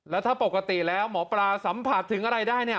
แล้วถ้าปกติแล้วหมอปลาสัมผัสถึงอะไรได้เนี่ย